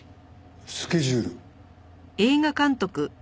スケジュール？